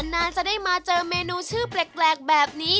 นานจะได้มาเจอเมนูชื่อแปลกแบบนี้